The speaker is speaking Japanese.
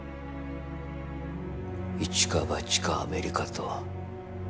一か八かアメリカと。